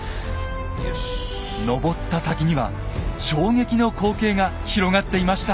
登った先には衝撃の光景が広がっていました。